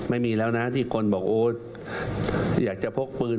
ไม่มีแล้วนะที่คนบอกโอ้อยากจะพกปืน